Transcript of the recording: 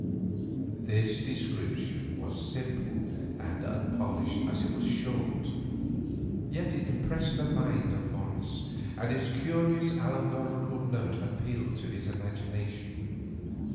This description was simple and unpolished as it was short. Yet it impressed the mind of Morris, and its curious allegorical note appealed to his imagination.